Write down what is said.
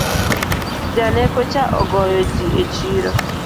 Janeko cha ogoyo jii e chiro